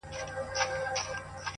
د زړه جيب كي يې ساتم انځورونه ؛گلابونه؛